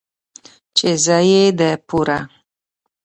،چې زه يې د پوره